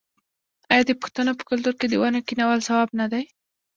آیا د پښتنو په کلتور کې د ونو کینول ثواب نه دی؟